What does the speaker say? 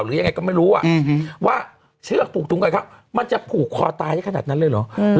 หรือยังไงก็ไม่รู้ว่าเชือกผูกถุงกับข้าวมันจะผูกคอตายได้ขนาดนั้นเลยเหรอ